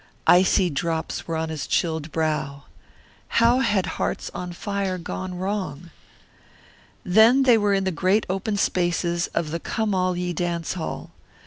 Icy drops were on his chilled brow. How had Hearts on Fire gone wrong? Then they were in the great open spaces of the Come All Ye dance hall.